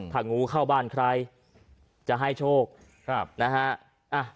ผักงูเข้าบ้านใครจะให้โชคครับนะฮะอ่ะ